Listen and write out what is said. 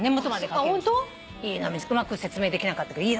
うまく説明できなかったけどいいの描けたわ。